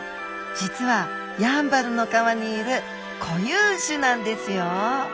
実はやんばるの川にいる固有種なんですよ。